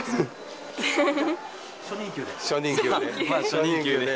初任給で？